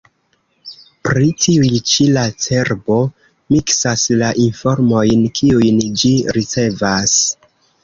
Pri tiuj ĉi la cerbo miksas la informojn, kiujn ĝi ricevas.